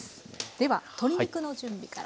では鶏肉の準備から。